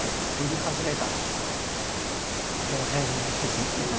この辺ですね。